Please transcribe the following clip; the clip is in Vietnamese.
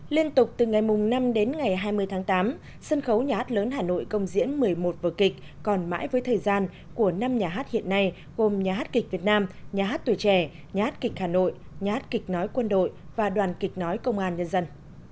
liên tục từ ngày năm đến ngày hai mươi tháng tám sân khấu nhà hát lớn hà nội công diễn một mươi một vở kịch còn mãi với thời gian của năm nhà hát hiện nay gồm nhà hát kịch việt nam nhà hát tuổi trẻ nhà hát kịch hà nội nhát kịch nói quân đội và đoàn kịch nói công an nhân dân